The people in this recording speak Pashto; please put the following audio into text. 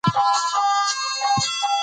يـو هـيواد هـغه وخـت د نـابـودۍ خـواتـه ځـي